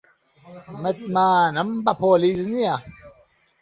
متمانەم بە پۆلیس نییە.